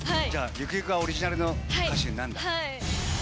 ゆくゆくはオリジナルの歌手になるんだ。